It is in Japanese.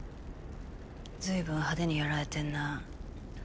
随分派手にやられてんな。